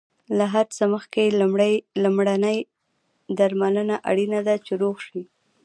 له هر څه مخکې لمرینه درملنه اړینه ده، چې روغ شې.